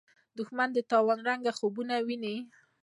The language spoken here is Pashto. دښمن د تاوان رنګه خوبونه ویني